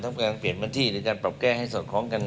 ทั้งการเปลี่ยนบัญธีและการปรับแก้ให้สอดคล้องกัน